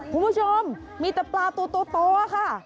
คุณผู้ชมมีแต่ปลาตัวโตค่ะ